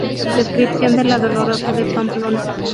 Descripción de La Dolorosa de Pamplona